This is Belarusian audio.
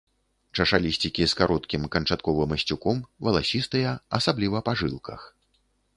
Чашалісцікі з кароткім канчатковым асцюком, валасістыя, асабліва па жылках.